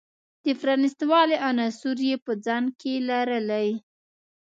د پرانیست والي عناصر یې په ځان کې لرلی.